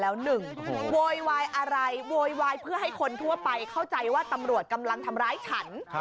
๑เวา้ยวายอย่าทั่วไปเข้าใจว่ารบของตำรวจทำระกัล